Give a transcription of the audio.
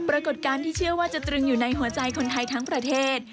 ปรากฏการณ์ที่เชื่อว่าจะตรึงอยู่ในหัวใจคนไทยทั้งประเทศ